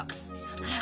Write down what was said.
あら。